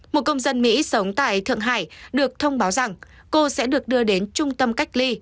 một công dân mỹ sống tại thượng hải được thông báo rằng cô sẽ được đưa đến trung tâm cách ly